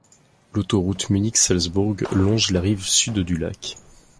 L'autoroute Munich-Salzbourg longe la rive sud du lac.